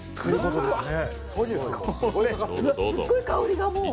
すごい、香りがもう。